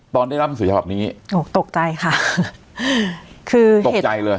ตอนได้รับมันสุดยอดแบบนี้โอ้ตกใจค่ะคือตกใจเลย